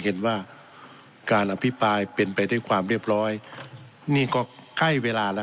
เห็นว่าการอภิปรายเป็นไปด้วยความเรียบร้อยนี่ก็ใกล้เวลาแล้ว